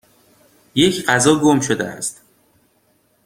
یک غذا گم شده است.